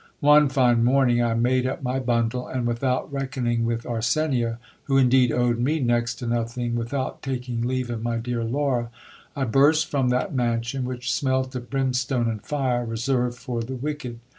One fine morning, I made up my bundle; and, without reckoning with Arsenia, who indeed owed me next to nothing, without taking leave of my dear Laura, I burst from that mansion, which smelt of brimstone and fire reserved for the wicked.